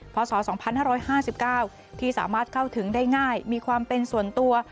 พศ๒๕๕๙ที่สามารถเข้าถึงได้ง่ายมีความเป็นส่วนตัว